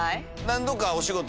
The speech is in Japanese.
何度かお仕事。